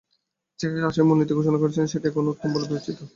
তিনি যে রাষ্ট্রীয় মূলনীতি ঘোষণা করেছিলেন, সেটি এখনো উত্তম বলে বিবেচিত।